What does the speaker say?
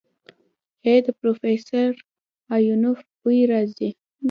ای د پروفيسر ايوانوف بوئ راځي.